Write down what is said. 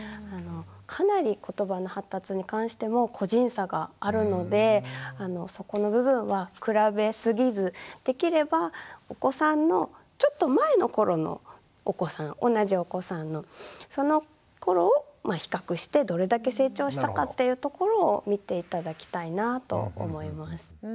かなりことばの発達に関しても個人差があるのでそこの部分は比べすぎずできればお子さんのちょっと前の頃のお子さん同じお子さんのそのころを比較してどれだけ成長したかっていうところを見て頂きたいなと思います。